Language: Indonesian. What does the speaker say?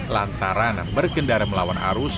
lantaran bergendara melawan arus